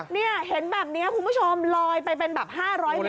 นี่เห็นแบบนี้คุณผู้ชมลอยไปเป็นแบบ๕๐๐เมตร